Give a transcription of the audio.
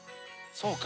「そうか」